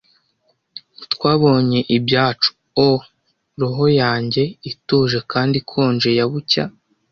Twabonye ibyacu O roho yanjye ituje kandi ikonje ya bucya.